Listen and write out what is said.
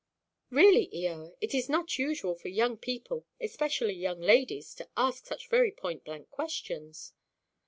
"Really, Eoa, it is not usual for young people, especially young ladies, to ask such very point–blank questions."